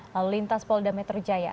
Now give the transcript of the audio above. lalu lintas polda metro jaya